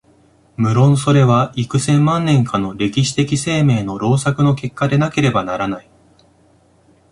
無論それは幾千万年かの歴史的生命の労作の結果でなければならない。